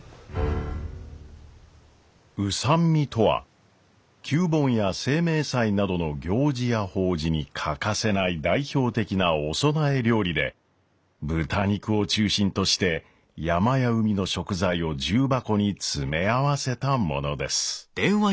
御三味とは旧盆や清明祭などの行事や法事に欠かせない代表的なお供え料理で豚肉を中心として山や海の食材を重箱に詰め合わせたものです。